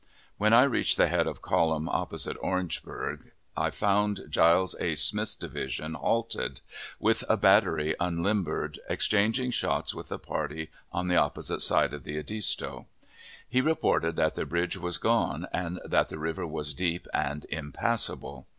When I reached the head of column opposite Orangeburg, I found Giles A. Smith's division halted, with a battery unlimbered, exchanging shots with a party on the opposite side of the Edisto. He reported that the bridge was gone, and that the river was deep and impassable.